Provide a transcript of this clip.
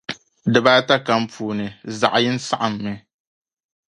dib' ata kam puuni zaɣ' yini saɣimmi.